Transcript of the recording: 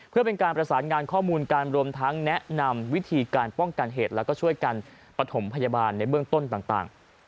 เพื่อเป็นการประสานงานข้อมูลการรวมทั้งแนะนำวิธีการป้องกันเหตุแล้วก็ช่วยกันปฐมพยาบาลในเบื้องต้นต่าง